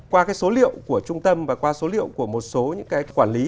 qua cái số liệu của trung tâm và qua số liệu của một số những cái quản lý